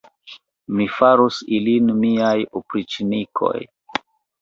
Mi faros ilin miaj opriĉnikoj!